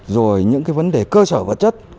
rồi những vấn đề cơ sở vật chất